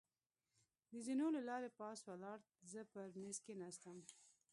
د زېنو له لارې پاس ولاړ، زه پر مېز کېناستم.